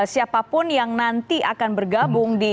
siapapun yang nanti akan bergabung di